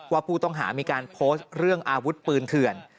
ว่าผู้ต้องหามีการโพสต์เรื่องอาวุธปืนเถื่อน